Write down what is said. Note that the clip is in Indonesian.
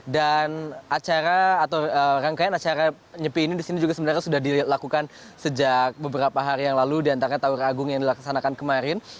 dan acara atau rangkaian acara nyepi ini di sini juga sebenarnya sudah dilakukan sejak beberapa hari yang lalu diantaranya tawir agung yang dilaksanakan kemarin